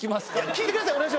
聞いてください！